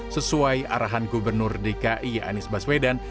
sesuai arahan gubernur dki anies baswedan